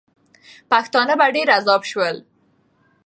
پښتانه په ډېر عذاب سول.